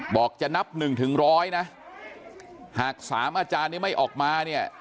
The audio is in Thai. บอกจะนับหนึ่งถึงร้อยนะหากสามอาจารย์นี้ไม่ออกมาเนี่ย